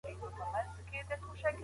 مشران به د بې عدالتۍ مخنیوی کوي.